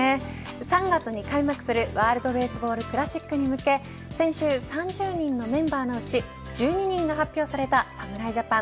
３月に開幕するワールド・ベースボール・クラシックに向け先週３０人のメンバーのうち１２人が発表された侍ジャパン。